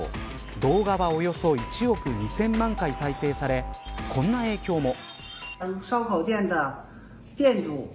動画はおよそ１億２０００万回再生されこんな影響も。